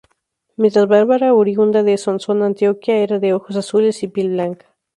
Mientras Bárbara, oriunda de Sonsón Antioquia, era de ojos azules y piel blanca.